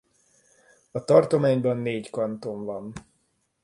A tartományban négy kanton van.